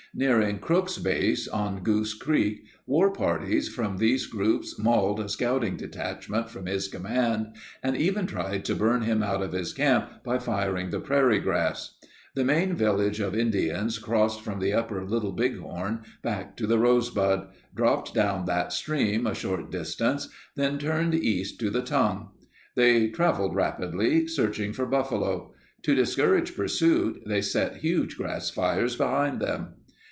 Nearing Crook's base on Goose Creek, war parties from these groups mauled a scouting detachment from his command and even tried to burn him out of his camp by firing the prairie grass. The main village of Indians crossed from the upper Little Bighorn back to the Rosebud, dropped down that stream a short distance, then turned east to the Tongue. They traveled rapidly, searching for buffalo. To discourage pursuit, they set huge grass fires behind them.